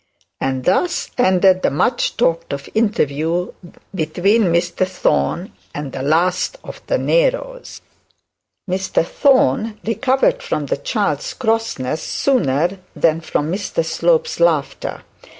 And thus ended the much talked of interview between Mr Thorne and the last of the Neros. Mr Thorne recovered from the child's crossness sooner than from Mr Slope's laughter.